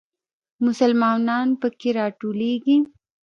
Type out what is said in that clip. مسلمانان په کې راټولېږي.